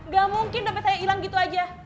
gak mungkin dompet saya hilang gitu aja